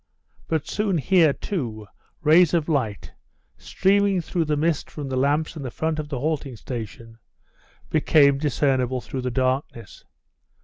But soon here, too, rays of light, streaming through the mist from the lamps in the front of the halting station, became discernible through the darkness.